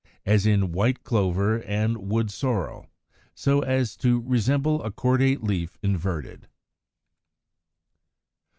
139), as in White Clover and Wood sorrel; so as to resemble a cordate leaf inverted.